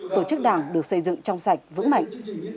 tổ chức đảng được xây dựng trong sạch vững mạnh